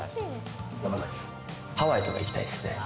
ハワイとか行きたいっすね。